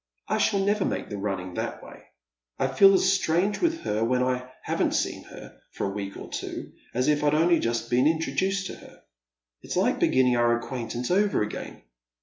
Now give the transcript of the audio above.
I shall never make the running that way. I feel as strange with her when I haven't seen her for a week or two as if I'd only just been inti oduced to her. It's like beginning our acquaintance over again.